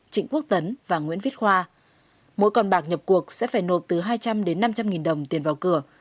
trịnh quốc tấn và nguyễn viết khoa mỗi con bạc nhập cuộc sẽ phải nộp từ hai trăm linh đến năm trăm linh nghìn đồng tiền vào cửa